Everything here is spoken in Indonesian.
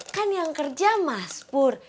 kan yang kerja mas pur